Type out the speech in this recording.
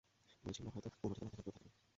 বলেছিলাম না, হয়তো পুরোনো ঠিকানা, এখন কেউ থাকে না।